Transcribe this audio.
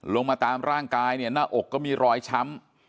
มาตามร่างกายเนี่ยหน้าอกก็มีรอยช้ำ